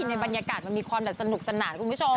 ในบรรยากาศมันมีความแบบสนุกสนานคุณผู้ชม